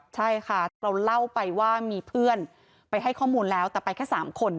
ใช่ค่ะเราเล่าไปว่ามีเพื่อนไปให้ข้อมูลแล้วแต่ไปแค่๓คน